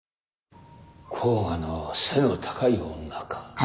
甲賀の背の高い女か。